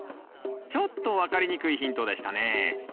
ちょっと分かりにくいヒントでしたね。